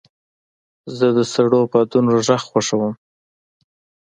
زه د سړو بادونو غږ خوښوم.